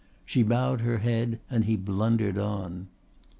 She bowed her head and he blundered on.